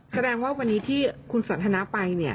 แสดงว่าวันนี้ที่คุณสันทนาไป